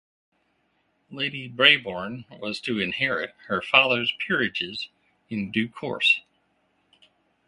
Lady Brabourne was to inherit her father's peerages in due course.